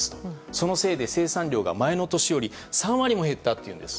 そのせいで生産量が前の年より３割も減ったというんです。